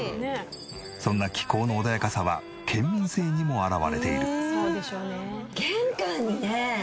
そんな気候の穏やかさは県民性にも表れている。